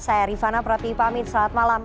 saya rifana pratiwipami selamat malam